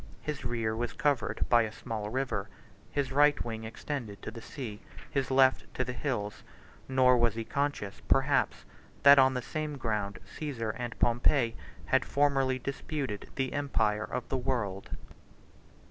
His rear was covered by a small river; his right wing extended to the sea; his left to the hills: nor was he conscious, perhaps, that on the same ground Caesar and Pompey had formerly disputed the empire of the world.